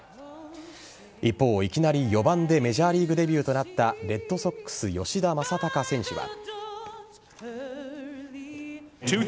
一方、いきなり４番でメジャーリーグデビューとなったレッドソックス・吉田正尚選手は。